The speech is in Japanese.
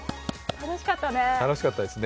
楽しかったです。